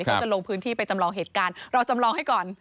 เขาจะลงพื้นที่ไปจำลองเหตุการณ์เราจำลองให้ก่อน